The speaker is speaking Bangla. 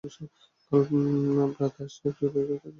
কাল প্রাতে আসিয়ো, কী উপায়ে এ কার্য সাধন করিতে হইবে কাল বলিব।